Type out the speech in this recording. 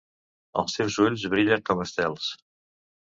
Els teus ulls brillen com estels.